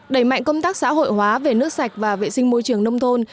đẩy mạnh công tác xã hội hóa về nước sạch và vệ sinh môi trường nông thôn